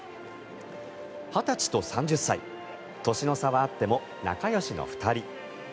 ２０歳と３０歳年の差はあっても仲よしの２人。